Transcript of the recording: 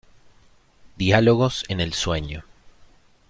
Diálogos en el sueño.